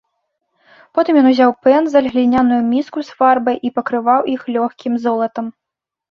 Потым ён узяў пэндзаль, гліняную міску з фарбай і пакрываў іх лёгкім золатам.